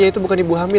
saya itu bukan ibu hamil